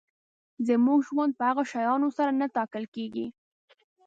زموږ ژوند په هغو شیانو سره نه ټاکل کېږي.